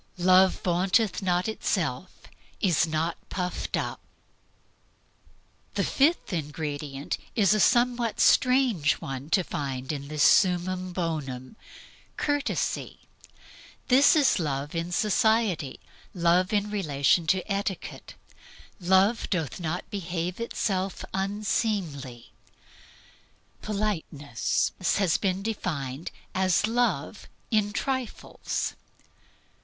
"Love vaunteth not itself, is not puffed up." Humility love hiding. The fifth ingredient is a somewhat strange one to find in this summum bonum: Courtesy. This is Love in society, Love in relation to etiquette. "Love does not behave itself unseemly." Politeness has been defined as love in trifles.